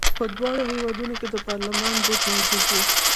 په دواړو هېوادونو کې د پارلمان دود موجود و.